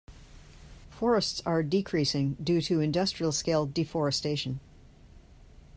Forests are decreasing due to industrial scale deforestation.